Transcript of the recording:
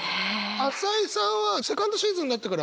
朝井さんはセカンドシーズンになってからはまだ？